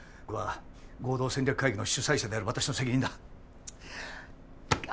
これは合同戦略会議の主催者である私の責任だ。